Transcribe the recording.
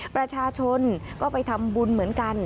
ประชาชนก็ไปทำบุญเหมือนกัน